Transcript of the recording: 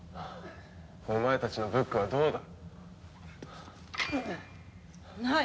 お前たちのブックはどうだ？ない！